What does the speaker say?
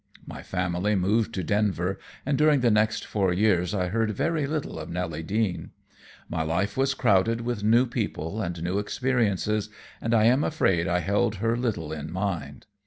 My family moved to Denver, and during the next four years I heard very little of Nelly Deane. My life was crowded with new people and new experiences, and I am afraid I held her little in mind.